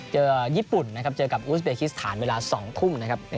เจอญี่ปุ่นนะครับเจอกับอูสเบคิสถานเวลา๒ทุ่มนะครับ